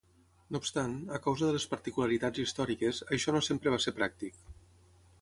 No obstant, a causa de les particularitats històriques, això no sempre va ser pràctic.